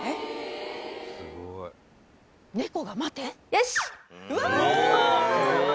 よし。